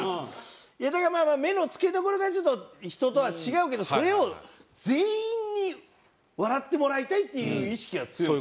いやだからまあまあ目の付けどころがちょっと人とは違うけどそれを全員に笑ってもらいたいっていう意識が強い。